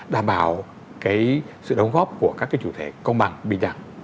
đảm bảo cái sự đóng góp của các chủ thể công bằng bình đẳng